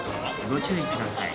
ご注意ください。